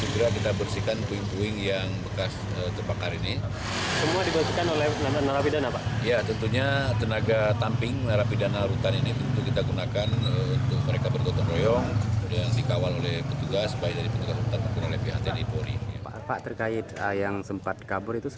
pak terkait yang sempat kabur itu seperti apa pengejarannya pak